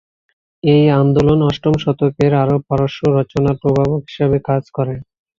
এই আন্দোলন অষ্টম শতকের আরব-পারস্য রচনার প্রভাবক হিসেবে কাজ করে।